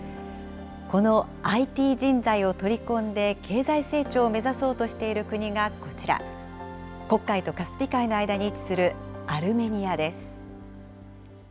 このＩＴ人材を取り込んで経済成長を目指そうとしている国がこちら、黒海とカスピ海の間に位置するアルメニアです。